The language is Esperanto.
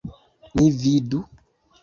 Ni vidu?